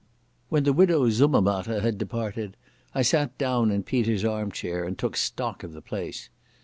When the Widow Summermatter had departed I sat down in Peter's arm chair and took stock of the place.